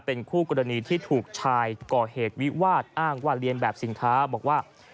เป็นคู่กรณีที่ถูกชายก่อเหตุวิวาสอ้างว่าเรียนแบบสินค้าบอกว่า